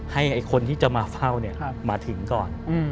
ให้คนที่จะมาเฝ้ามาถึงก่อน